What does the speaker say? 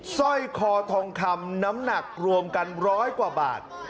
สร้อยคอทองคำน้ำหนักรวมกันร้อยกว่าบาท